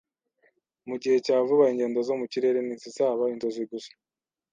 Mu gihe cya vuba, ingendo zo mu kirere ntizizaba inzozi gusa.